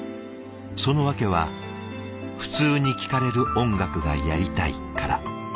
その訳は普通に聴かれる音楽がやりたいから。